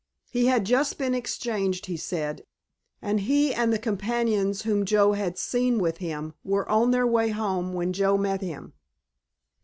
He had just been exchanged, he said, and he and the companions whom Joe had seen with him were on their way home when Joe met him.